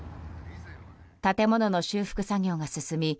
建物の修復作業が進み